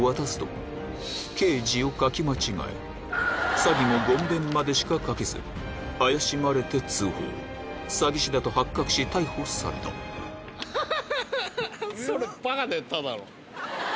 「詐欺」も言偏までしか書けず怪しまれて通報詐欺師だと発覚し逮捕されたハハハハ！